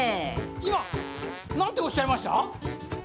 いまなんておっしゃいました？